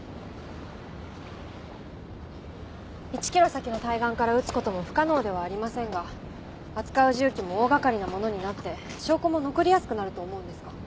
１ｋｍ先の対岸から撃つことも不可能ではありませんが扱う銃器も大掛かりなものになって証拠も残りやすくなると思うんですが。